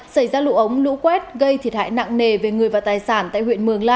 xảy ra lũ ống lũ quét gây thiệt hại nặng nề về người và tài sản tại huyện mường la